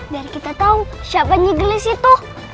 biar kita tahu siapa nyigelis itu